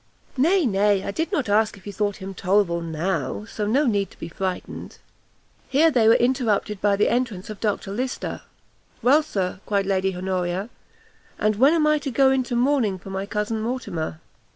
"Nay, nay, I did not ask if you thought him tolerable now, so no need to be frightened." Here they were interrupted by the entrance of Dr Lyster. "Well, Sir," cried Lady Honoria, "and when am I to go into mourning for my cousin Mortimer?"